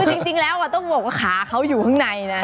คือจริงแล้วต้องบอกว่าขาเขาอยู่ข้างในนะ